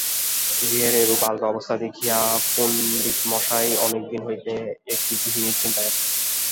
গৃহের এইরূপ আলগা অবস্থা দেখিয়া পণ্ডিতমহাশয় অনেক দিন হইতে একটি গৃহিণীর চিন্তায় আছেন।